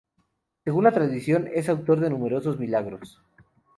Según la tradición, es autor de numerosos milagros.